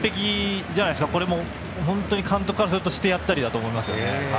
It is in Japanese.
監督からするとしてやったりだと思います。